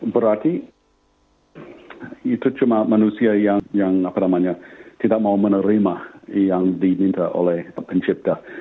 berarti itu cuma manusia yang tidak mau menerima yang diminta oleh pencipta